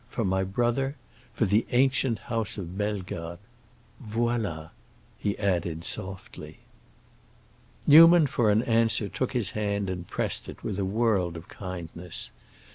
For my brother. For the ancient house of Bellegarde. Voilà!" he added softly. Newman for an answer took his hand and pressed it with a world of kindness.